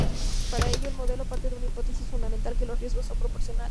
Para ello, el modelo parte de una hipótesis fundamental: que los riesgos son proporcionales.